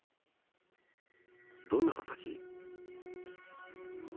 どんな形？